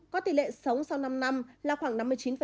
có tỷ lệ sống sau năm năm là khoảng năm mươi chín